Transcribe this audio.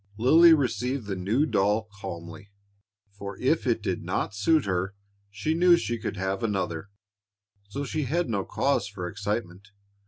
Lily received the new doll calmly, for if it did not suit her she knew she could have another, so she had no cause for excitement.